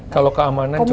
kalau keamanan cukup